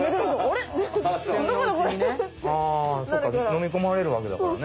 そっか飲み込まれるわけだからね。